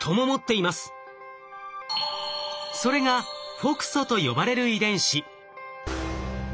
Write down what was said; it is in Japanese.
それが「ＦｏｘＯ」と呼ばれる遺伝子。